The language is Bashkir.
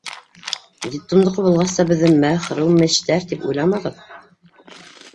— Детдомдыҡы булғас та беҙҙе мәхрүмештәр тип уйламағыҙ!